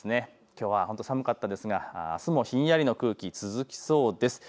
きょうは寒かったですがあすもひんやりの空気、続きそうです。